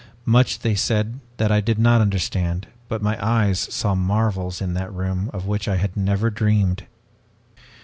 Much they said that I did not understand but my eyes saw marvels in that room of which I had never dreamed.